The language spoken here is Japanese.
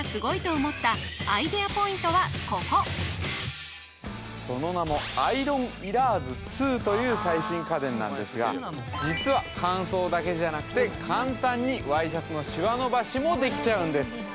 ここその名もという最新家電なんですが実は乾燥だけじゃなくて簡単にワイシャツのシワのばしもできちゃうんです